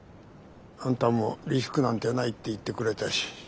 あんたもリスクなんてないって言ってくれたし。